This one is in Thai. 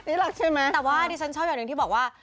นี่รักใช่มั้ยแต่ว่าที่ฉันชอบอย่างหนึ่งที่บอกว่า